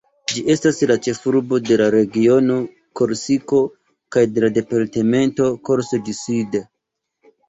Ĝi estas la ĉefurbo de la regiono Korsiko kaj de la departemento Corse-du-Sud.